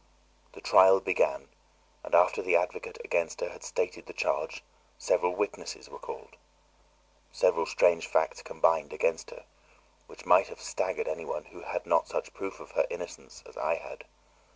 The trial began, and after the advocate against her had stated the charge, several witnesses were called. Several strange facts combined against her, which might have staggered anyone who had not such proof of her innocence as I had.